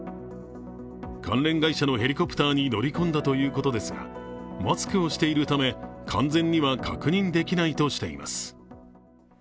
関連会社のヘリコプターに乗り込んだということですが、マスクをしているため完全には確認できないとしています。